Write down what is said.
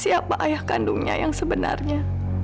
siapa ayah kandungnya yang sebenarnya